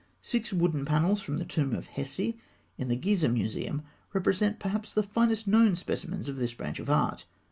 Six wooden panels from the tomb of Hesi in the Gizeh Museum represent perhaps the finest known specimens of this branch of art.